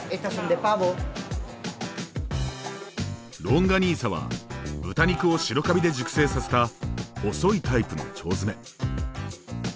ロンガニーサは豚肉を白カビで熟成させた細いタイプの腸詰め。